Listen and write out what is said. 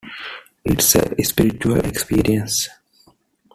It's a spiritual experience.